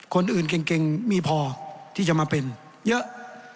คนอื่นเก่งมีพอที่จะมาเป็นเยอะ